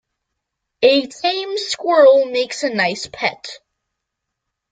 A tame squirrel makes a nice pet.